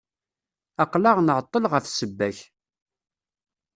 Aql-aɣ nεeṭṭel ɣef ssebba-k.